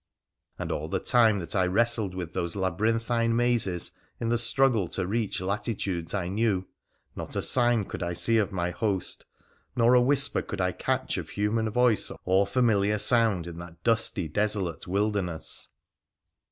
And all the time that I wrestled with those laby rinthine mazes in the struggle to reach latitudes I knew, not a sign could I see of my host, not a whisper could I catch of human voice or familiar sound in that dusty, desolate wilder ness.